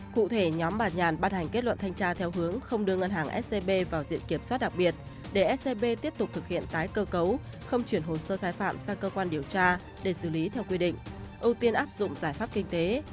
cụ thể nhóm bà nhàn ban hành kết luận thanh tra theo hướng không đưa ngân hàng scb vào diện kiểm soát đặc biệt để scb tiếp tục thực hiện tái cơ cấu không chuyển hồ sơ sai phạm sang cơ quan điều tra để xử lý theo quy định ưu tiên áp dụng giải pháp kinh tế